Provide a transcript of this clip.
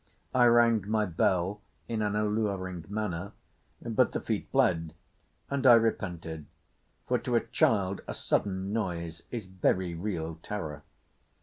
I rang my bell in an alluring manner, but the feet fled, and I repented, for to a child a sudden noise is very real terror.